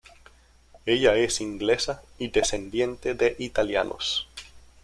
Ella es inglesa y descendiente de italianos.